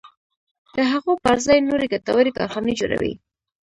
د هغو پر ځای نورې ګټورې کارخانې جوړوي.